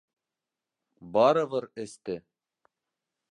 Барыбер эсте.